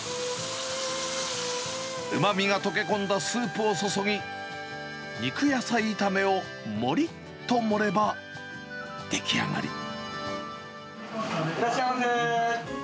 うまみが溶け込んだスープを注ぎ、肉野菜炒めをもりっと盛れば出来いらっしゃいませ。